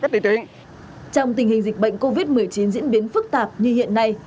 diễn biến phức tạp như hiện nay